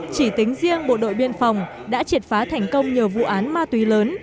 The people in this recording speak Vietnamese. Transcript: chỉ tính riêng bộ đội biên phòng đã triệt phá thành công nhiều vụ án ma túy lớn